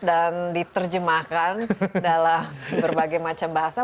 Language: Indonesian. dan diterjemahkan dalam berbagai macam bahasa